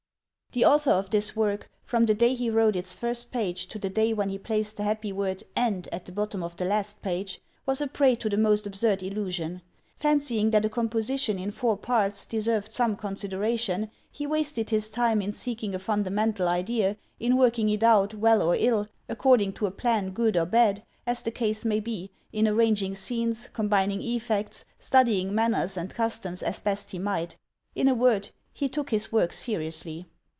*~PHE author of this work, from the day he wrote its first page to the day when he placed the happy word " End " at the bottom of the last page, was a prey to the most absurd illusion. Fancying that a composition in four parts deserved some consideration, he wasted his time in seeking a fundamental idea, in working it out, well or ill, according to a plan good or bad, as the case may be, in arranging scenes, combining effects, studying manners and customs as best he might, — in a word, he took his work seriously.